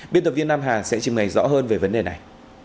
biên tập việt nam hà sẽ trình ngày rõ hơn về vấn đề này